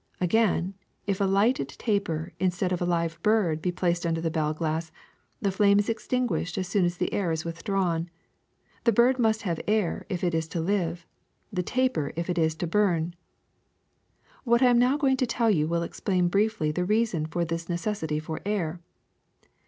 Again, if a lighted taper instead of a live bird be placed under the bell glass, the flame is extinguished as soon as the air is withdra^vn. The bird must have air if it is to live ; the taper if it is to burn. ^^What I am now going to tell you will explain briefly the reason for this necessity for air.